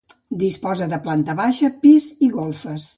Disposa de planta baixa, pis i golfes.